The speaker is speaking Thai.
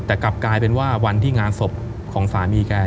แต่กลับกลายเป็นว่าวันที่งานศพของสามีแก